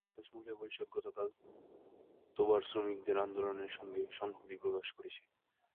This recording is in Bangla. বাংলাদেশ মহিলা পরিষদ গতকাল তোবার শ্রমিকদের আন্দোলনের সঙ্গে সংহতি প্রকাশ করেছে।